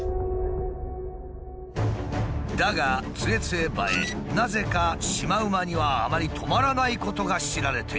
だがツェツェバエなぜかシマウマにはあまりとまらないことが知られていた。